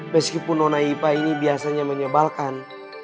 meskipun nona ipa ini biasanya menyebalkan